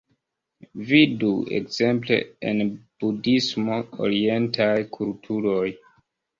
Vidu, ekzemple, en Budhismo, orientaj kulturoj...